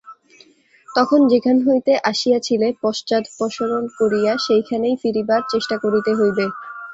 তখন যেখান হইতে আসিয়াছিলে, পশ্চাদপসরণ করিয়া সেইখানেই ফিরিবার চেষ্টা করিতে হইবে।